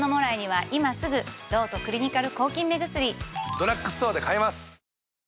ドラッグストアで買えます！